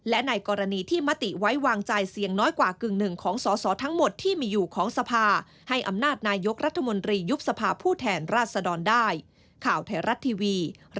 และในกรณีที่มติไว้วางใจเสียงน้อยกว่ากึ่งหนึ่งของสอสอทั้งหมดที่มีอยู่ของสภาให้อำนาจนายกรัฐมนตรียุบสภาผู้แทนราชดรได้